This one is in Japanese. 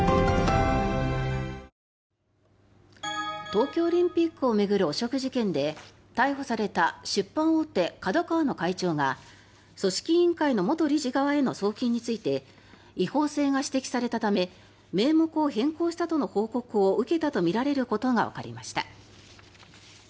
東京オリンピックを巡る汚職事件で逮捕された出版大手ＫＡＤＯＫＡＷＡの会長が組織委員会の元理事側への送金について違法性が指摘されたため名目を変更したとの報告を受けたとみられることがわかりました。